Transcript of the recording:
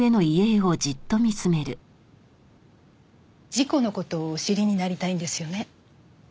事故の事をお知りになりたいんですよね？